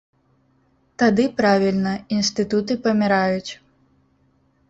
Тады правільна, інстытуты паміраюць.